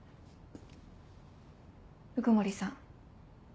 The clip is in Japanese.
鵜久森さん